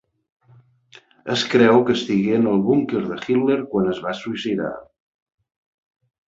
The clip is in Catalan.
Es creu que estigué en el búnquer de Hitler quan es va suïcidar.